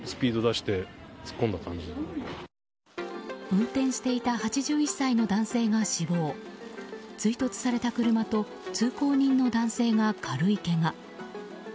運転していた８１歳の男性が死亡追突された車と通行人の男性が軽いけが。